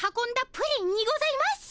プリンにございます。